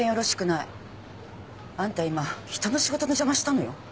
あんた今人の仕事の邪魔したのよ。